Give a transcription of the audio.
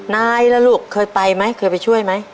นายละลูกเคยไปมั้ยเคยไปช่วยมั้ย